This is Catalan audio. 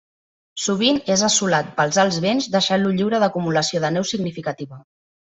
Sovint és assolat pels alts vents, deixant-lo lliure d'acumulació de neu significativa.